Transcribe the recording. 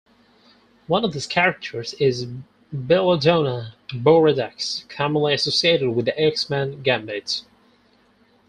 One of these characters is Bella Donna Boudreaux, commonly associated with the X-Man Gambit.